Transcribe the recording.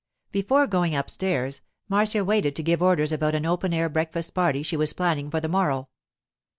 Before going upstairs, Marcia waited to give orders about an open air breakfast party she was planning for the morrow.